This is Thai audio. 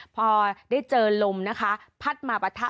พอได้เจอลมนะคะพัดมาปะทะ